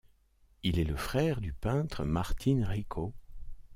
Il est le frère du peintre Martín Rico.